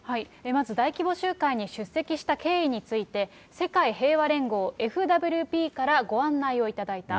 まず大規模集会に出席した経緯について、世界平和連合・ＦＷＰからご案内を頂いた。